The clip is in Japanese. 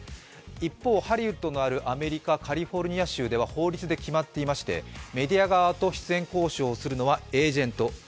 一方、ハリウッドのあるアメリカ・カリフォルニア州では法律で決まってましてメディア側と出演交渉するのはエージェント。